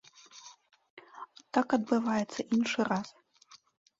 Так адбываецца іншы раз.